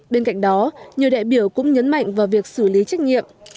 bên cạnh đó nhiều đại biểu cũng nhấn mạnh vào việc xử lý trách nhiệm